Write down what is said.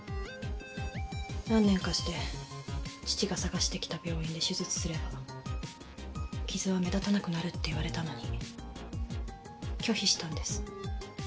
何年かして父が探してきた病院で手術すれば傷は目立たなくなるって言われたのに拒否したんです。